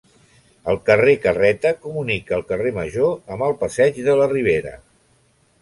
El carrer Carreta comunica el carrer Major amb el Passeig de la Ribera.